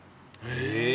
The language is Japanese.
へえ！